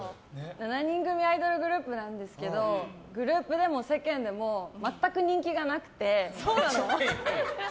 ７人組アイドルグループなんですけどグループでも世間でも全く人気がなくて。